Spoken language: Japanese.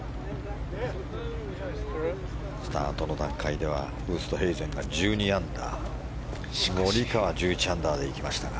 スタートの段階ではウーストヘイゼンが１２アンダーモリカワ、１１アンダーで行きましたが。